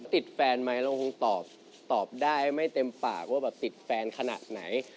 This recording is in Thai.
ติดแฟนไหมเราคงตอบได้ไม่เต็มปากว่าแบบติดแฟนขนาดไหน